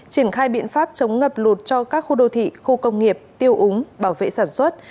triển khai biện pháp chống ngập lụt cho các khu đô thị khu công nghiệp tiêu úng bảo vệ sản xuất